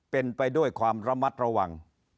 เป็นไปด้วยความระมัดระวัง